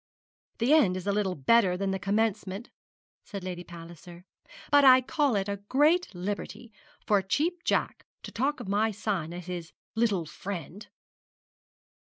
'The end is a little better than the commencement,' said Lady Palliser; 'but I call it a great liberty for a Cheap Jack to talk of my son as his little friend.'